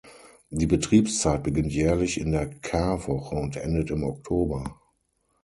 Die Betriebszeit beginnt jährlich in der Karwoche und endet im Oktober.